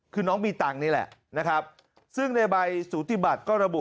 คือน้องมีตังค์นี่แหละนะครับซึ่งในใบสูติบัติก็ระบุ